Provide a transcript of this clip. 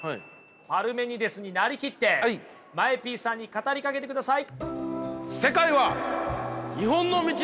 パルメニデスに成りきってＭＡＥＰさんに語りかけてください。